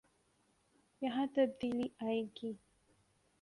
یہاں تبدیلی آئے گی۔